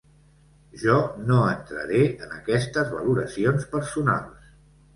Jo no entraré en aquestes valoracions personals.